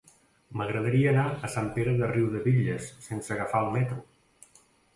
M'agradaria anar a Sant Pere de Riudebitlles sense agafar el metro.